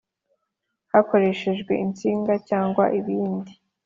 Hakoreshejwe insinga cyangwa ibindi